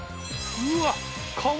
うわっ川